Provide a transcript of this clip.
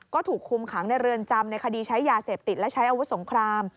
ก็ถูกคุมขังในเรือนจำในคดีใช้ยาเสพติดและใช้อาวุธสงคราม